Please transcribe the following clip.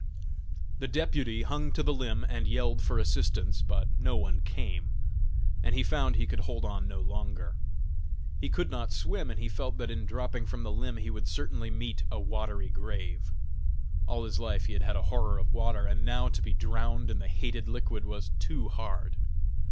The deputy hung to the limb and yelled for assistance, but no one came, and he found he could hold on no longer. He could not swim, and he felt that in dropping from the limb he would certainly meet a watery grave. All his life he had had a horror of water, and now to be drowned in the hated liquid was too hard.